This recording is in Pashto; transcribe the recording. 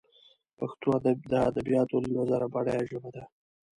پښتو دادبیاتو له نظره بډایه ژبه ده